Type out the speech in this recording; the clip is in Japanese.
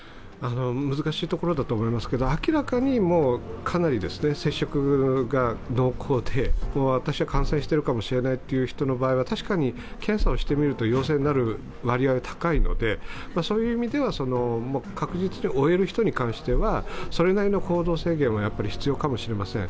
難しいところだと思いますけれども、明らかにかなり接触が濃厚で、私は感染しているかもしれないっていう人は確かに検査してみると陽性になる割合は高いので、そういう意味では確実に追える人に関してはそれなりの行動制限は必要かもしれません。